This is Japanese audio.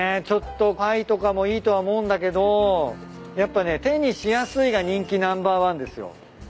ちょっとパイとかもいいとは思うんだけどやっぱね手にしやすいが人気ナンバーワンですよ。